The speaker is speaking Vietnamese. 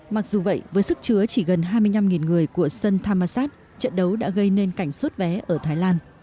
mặc dù vậy với sức chứa chỉ gần hai mươi năm người của sơn thammasat trận đấu đã gây nên cảnh suốt vé ở thái lan